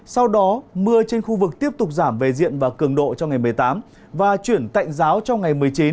sau đó mưa trên khu vực tiếp tục giảm về diện và cường độ cho ngày một mươi tám và chuyển tạnh giáo trong ngày một mươi chín